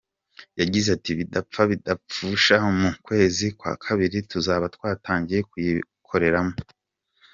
Yagize ati ” Bidapfa bidapfusha mu kwezi kwa Kabiri tuzaba twatangiye kuyikoreramo.